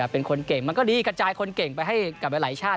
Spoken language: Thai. เป็นคนเก่งมันก็ดีกระจายคนเก่งไปให้กับหลายชาติ